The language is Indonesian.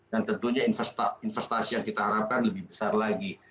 dan tentunya investasi yang kita harapkan lebih besar lagi